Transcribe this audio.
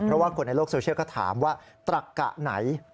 เพราะว่าคนในโลกโซเชียลก็ถามว่าตระกะไหน